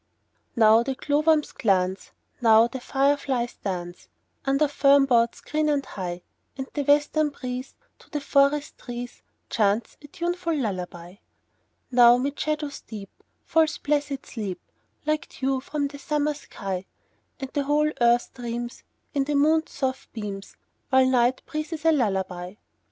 Now the glowworms glance, Now the fireflies dance, Under fern boughs green and high; And the western breeze To the forest trees Chants a tuneful lullaby. Now 'mid shadows deep Falls blessed sleep, Like dew from the summer sky; And the whole earth dreams, In the moon's soft beams, While night breathes a lullaby.